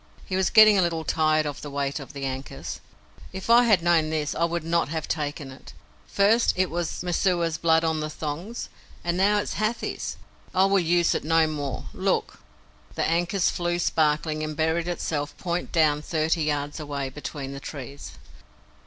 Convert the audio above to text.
He was getting a little tired of the weight of the ankus. "If I had known this, I would not have taken it. First it was Messua's blood on the thongs, and now it is Hathi's. I will use it no more. Look!" The ankus flew sparkling, and buried itself point down thirty yards away, between the trees.